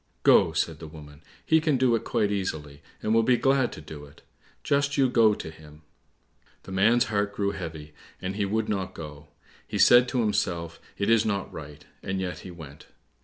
"Go," said the woman, "he can do it quite easily, and will be glad to do it; just you go to him." The man's heart grew heavy, and he would not go. He said to himself, "It is not right," and yet he went.